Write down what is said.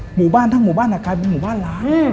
หมู่บ้านทั้งหมู่บ้านกลายเป็นหมู่บ้านล้าง